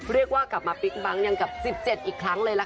เรียกว่ากลับมาปิ๊กบังอย่างกับ๑๗อีกครั้งเลยล่ะค่ะ